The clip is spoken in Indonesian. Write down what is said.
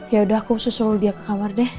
yaudah aku selalu dia ke kamar deh